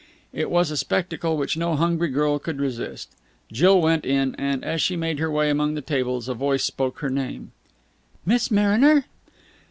It was a spectacle which no hungry girl could resist. Jill went in, and, as she made her way among the tables, a voice spoke her name. "Miss Mariner!"